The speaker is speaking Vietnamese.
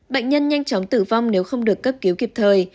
bệnh nhân nhanh chóng tử vong nếu không được cấp cứu kịp thời